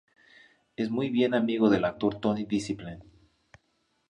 Es muy buen amigo del actor Tony Discipline.